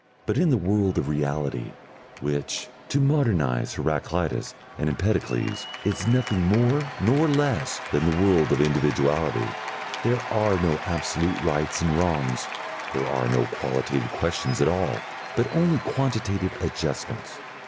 But in the world of reality, which to modernise Heraclitus and Empedocles is nothing more nor less than the world of individuality, there are no absolute rights and wrongs, there are no qualitative questions at all, but only quantitative adjustments.